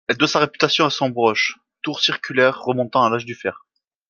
Elle doit sa réputation à son broch, tour circulaire remontant à l'Âge du fer.